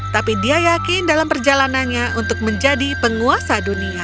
tapi dia yakin dalam perjalanannya untuk menjadi penguasa dunia